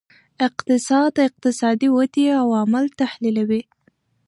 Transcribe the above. اقتصاد د اقتصادي ودې عوامل تحلیلوي.